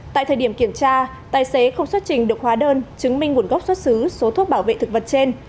tại thời điểm kiểm tra tài xế không xuất trình được hóa đơn chứng minh nguồn gốc xuất xứ số thuốc bảo vệ thực vật trên